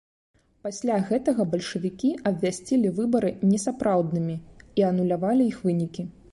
Пасля гэтага бальшавікі абвясцілі выбары несапраўднымі і анулявалі іх вынікі.